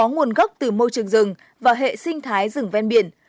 nguồn gốc từ môi trường rừng và hệ sinh thái rừng ven biển